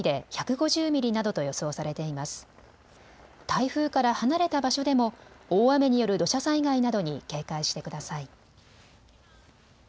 台風から離れた場所でも大雨による土砂災害などに警戒してください。